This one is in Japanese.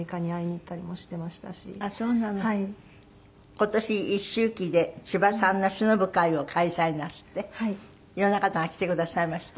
今年一周忌で千葉さんの偲ぶ会を開催なすって色んな方が来てくださいました？